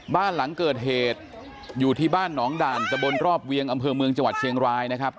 บ้านหลังเกิดเหตุอยู่ที่บ้านหนองด่านตะบนรอบเวียงอำเภอเมืองจังหวัดเชียงรายนะครับ